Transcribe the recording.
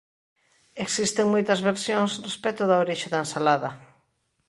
Existen moitas versións respecto da orixe da ensalada.